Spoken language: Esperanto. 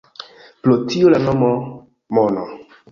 Pro tio la nomo “Mono”.